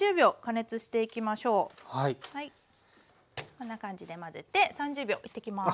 こんな感じで混ぜて３０秒いってきます。